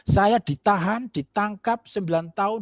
saya ditahan ditangkap sembilan tahun